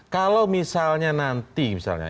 kalau misalnya nanti misalnya